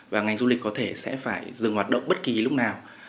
và ngành du lịch có thể sẽ phải dừng hoạt động bất kỳ lúc nào